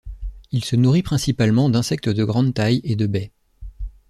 Il se nourrit principalement d'insectes de grande taille et de baies.